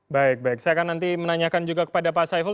baik baik saya akan nanti menanyakan juga kepada pak saiful